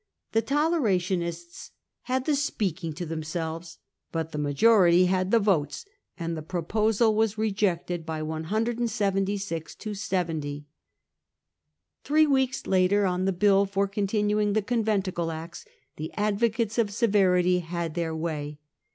The Tolerationists had the speaking to themselves ; but the majority had the votes, and the proposal was rejected by 176 to 70. Three weeks later, on the bill for continuing the Con venticle Acts, the advocates of severity had their way.